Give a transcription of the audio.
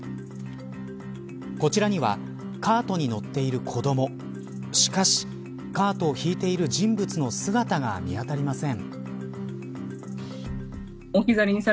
こちらにはカートに乗っている子どもしかしカートを引いている人物の姿が見当たりません。